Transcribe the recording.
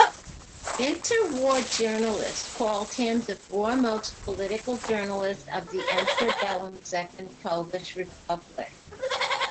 Interwar journalist called him the foremost political journalist of the interbellum Second Polish Republic.